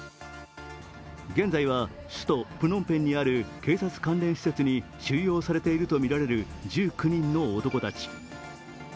現在は首都プノンペンにある警察関連施設に収容されているとみられる１９人の男たち。